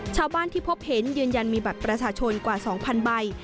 ชาวบ้านที่พบเห็นยืนยันมีบัตรประชาชนกว่า๒๐๐ใบ